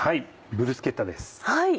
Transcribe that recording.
ブルスケッタです。